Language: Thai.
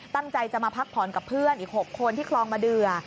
ตั้งใจจะมาพักผ่อนกับเพื่อนอีก๖คนที่คลองมะเดือ